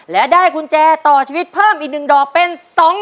และได้กุญแจต่อชีวิตเพิ่มอีก๑ดอกเป็น๒๐๐๐